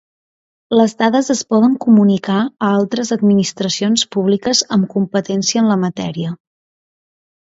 Les dades es poden comunicar a altres administracions públiques amb competència en la matèria.